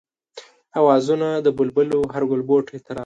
آوازونه د بلبلو هر گلبوټی ترانه ده